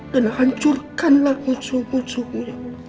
dan hancurkanlah musuh musuhmu